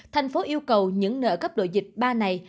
thành phố yêu cầu những nợ cấp độ dịch ba này